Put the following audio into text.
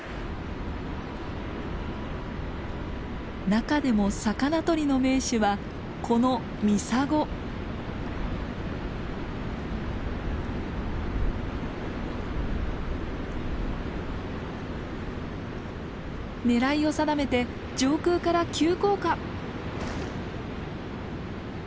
中でも魚とりの名手はこの狙いを定めて上空から急降下。